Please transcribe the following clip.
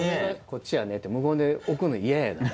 「こっちやね」って無言で置くの嫌やな。